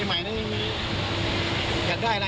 ใหม่นี่อยากได้อะไร